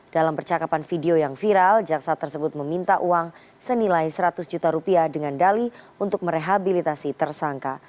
dalam percakapan video yang viral jaksa tersebut meminta uang senilai seratus juta rupiah dengan dali untuk merehabilitasi tersangka